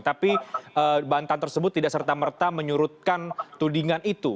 tapi bantahan tersebut tidak serta merta menyurutkan tudingan itu